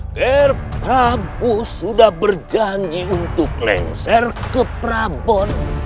nger prabu sudah berjanji untuk lengsir ke prabon